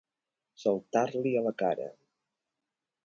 Saltar-li a la cara.